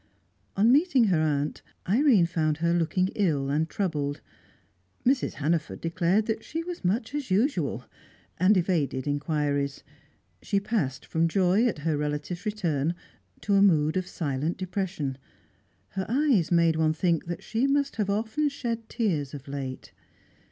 On meeting her aunt, Irene found her looking ill and troubled. Mrs. Hannaford declared that she was much as usual, and evaded inquiries. She passed from joy at her relatives' return to a mood of silent depression; her eyes made one think that she must have often shed tears of late.